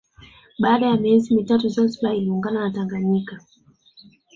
Baada ya miezi mitatu Zanzibar iliungana na Tanganyika